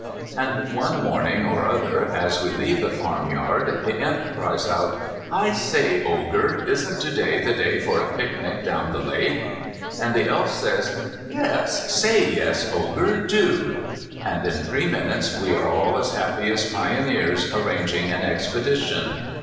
And one morning or other, as we leave the farmyard, the Imp cries out, "I say, Ogre, isn't to day the day for a picnic down the lake?" And the Elf says, "Yes. Say yes, Ogre, do," and in three minutes we are all as happy as pioneers arranging an expedition.